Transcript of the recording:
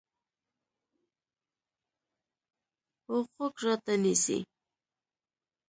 اوغوږ راته نیسي